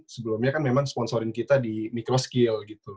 sebelumnya kan memang sponsorin kita di micro skill gitu